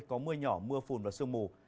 có mưa nhỏ mưa phùn và sương mù